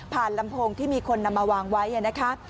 ลำโพงที่มีคนนำมาวางไว้นะคะ